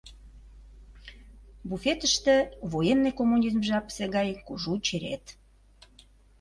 Буфетыште военный коммунизм жапысе гай кужу черет.